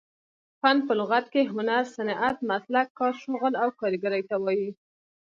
فن په لغت کښي هنر، صنعت، مسلک، کار، شغل او کاریګرۍ ته وايي.